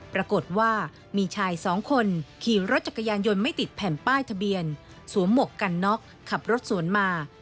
ปรากฏว่ามีชายสองคนขี่รถจักรยานยนต์ไม่ติดแผ่นป้ายทะเบียนสวมหมวกกันน็อกขับรถสวนมา